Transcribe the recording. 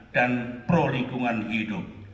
dan pro lingkungan hidup